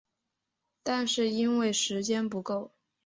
但是因为时间不够